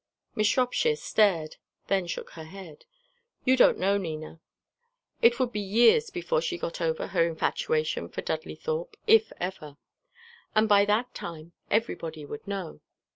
Miss Shropshire stared, then shook her head. "You don't know Nina. It would be years before she got over her infatuation for Dudley Thorpe, if ever; and by that time everybody would know.